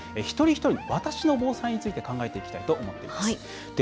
一人一人のわたしの防災について考えていきたいと思っています。